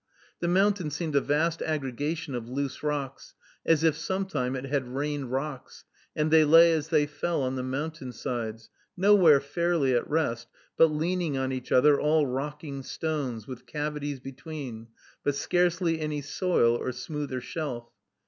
The mountain seemed a vast aggregation of loose rocks, as if some time it had rained rocks, and they lay as they fell on the mountain sides, nowhere fairly at rest, but leaning on each other, all rocking stones, with cavities between, but scarcely any soil or smoother shelf.